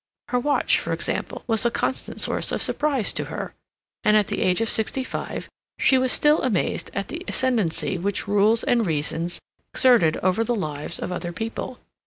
Her watch, for example, was a constant source of surprise to her, and at the age of sixty five she was still amazed at the ascendancy which rules and reasons exerted over the lives of other people.